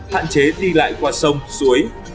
hạn chế đi lại qua sông suối